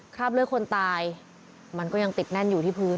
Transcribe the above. คราบเลือดคนตายมันก็ยังติดแน่นอยู่ที่พื้น